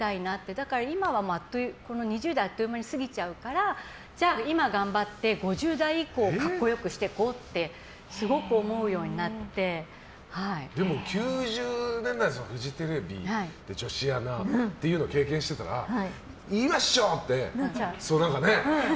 だから今はこの２０代あっという間に過ぎちゃうからじゃあ今頑張って５０代以降を格好良くしていこうってでも９０年代、フジテレビで女子アナっていうのを経験してたら今っしょ！ってね。